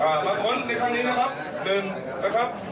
อย่ากล้าค้นไปข้างนี้นะครับ